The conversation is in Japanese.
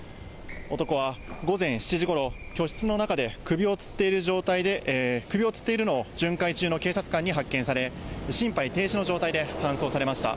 男は午前７時ごろ、居室の中で首をつっている状態で、首をつっているのを巡回中の警察官に発見され、心肺停止の状態で搬送されました。